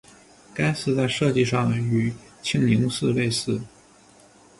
该寺在设计上与庆宁寺类似。